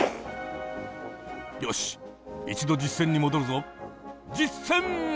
よし一度実線に戻るぞ実線！